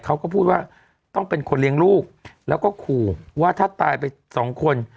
เขาก็พูดว่าต้องเป็นคนเลี้ยงลูกแล้วก็ขู่ว่าถ้าตายไปสองคน